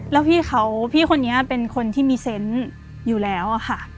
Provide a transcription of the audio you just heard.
แล้วพี่เขาพี่คนนี้เป็นคนที่มีเซนต์อยู่แล้วอะค่ะ